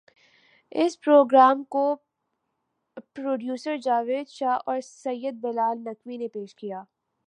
اس programme کو producer Javed Shah اور Syed Bilal Naqvi نے پیش کیا